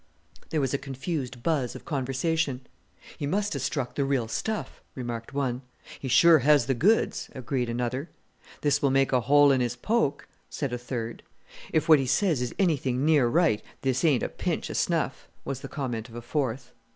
There was a confused buzz of conversation. "He must have struck the real stuff," remarked one. "He sure has the goods," agreed another. "This will make a hole in his poke," said a third. "If what he says is anything near right, this ain't a pinch of snuff," was the comment of a fourth.